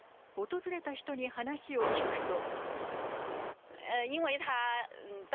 訪れた人に話を聞くと。